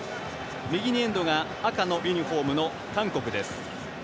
右にエンドが赤のユニフォームの韓国です。